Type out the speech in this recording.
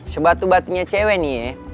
sebatu batunya cewek nih